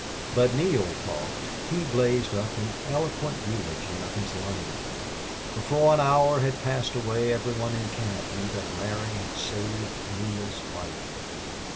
But Neale talked; he blazed up in eloquent eulogy of his lineman; before an hour had passed away every one in camp knew that Larry had saved Neale's life.